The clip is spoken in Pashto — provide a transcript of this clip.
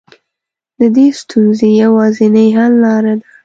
د دې ستونزې يوازنۍ حل لاره ده.